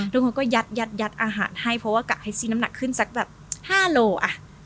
ทุกคนก็ยัดอาหารให้เพราะว่ากะให้ซื้อน้ำหนักขึ้นสักแบบ๕โลอ่ะ